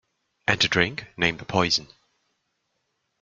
And to drink? Name the poison.